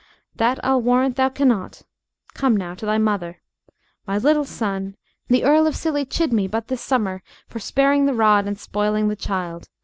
"That I'll warrant thou cannot. Come, now, to thy mother. My little son! The Earl of Scilly chid me but this summer for sparing the rod and spoiling the child.